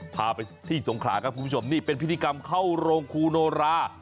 พาไปที่สงขลาครับคุณผู้ชมนี่เป็นพิธีกรรมเข้าโรงครูโนรา